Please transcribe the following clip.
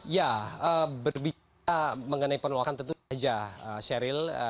ya berbicara mengenai penolakan tentu saja sheryl